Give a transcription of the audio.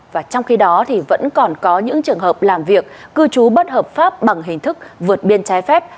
và trong khi đó thì vẫn còn có những trường hợp làm việc cư trú bất hợp pháp bằng hình thức vượt biên trái phép